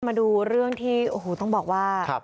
มาดูเรื่องที่โอ้โหต้องบอกว่า